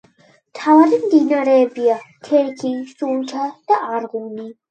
მთავარი მდინარეებია: თერგი, სუნჯა და არღუნი.